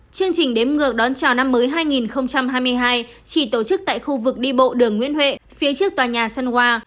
chương trình đếm ngược đón chào năm mới hai nghìn hai mươi hai chỉ tổ chức tại khu vực đi bộ đường nguyễn huệ phía trước tòa nhà sunwa